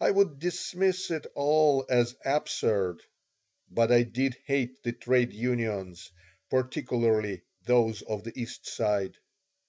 I would dismiss it all as absurd, but I did hate the trade unions, particularly those of the East Side.